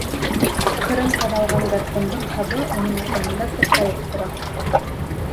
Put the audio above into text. Ҡырын ҡаҙалған гарпундың һабы уның арҡаһында тырпайып тора.